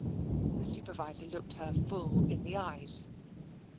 '* The Supervisor looked her full in the eyes.